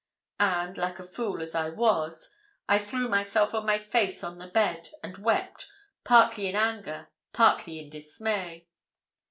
And, like a fool as I was, I threw myself on my face on the bed and wept, partly in anger, partly in dismay.